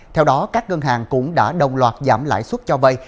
theo đó các ngân hàng cũng đã đồng loạt giảm lãi suất cho vay